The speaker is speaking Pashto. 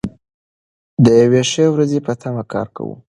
د یوې ښې ورځې په تمه کار کوو.